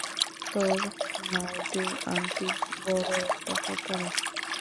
তোর নাইডু আন্টি বড় একটা প্রতারক।